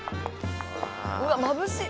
うわっまぶしい！